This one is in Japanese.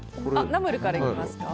ナムルからいきますか。